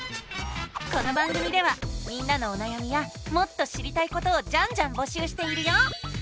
この番組ではみんなのおなやみやもっと知りたいことをジャンジャンぼしゅうしているよ！